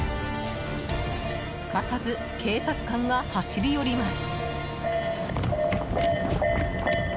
すかさず警察官が走り寄ります。